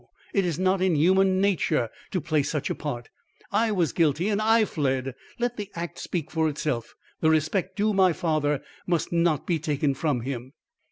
It is not in human nature to play such a part. I was guilty and I fled. Let the act speak for itself. The respect due my father must not be taken from him."